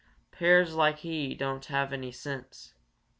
'Pears like he doan have any sense.